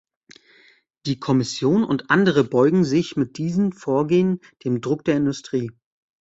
Die Kommission und andere beugen sich mit diesem Vorgehen dem Druck der Industrie.